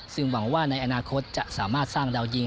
ซึ่งหวังว่าในอนาคตจะสามารถสร้างดาวยิง